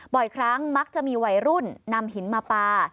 บ่อยครั้งมักจะมีวัยรุ่นนำหินมาปลา